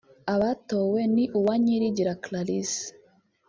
Abatowe ni Uwanyirigira Clarisse